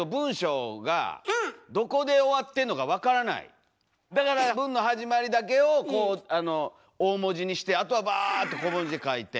でもだから文の始まりだけをこうあの大文字にしてあとはバーッと小文字で書いて。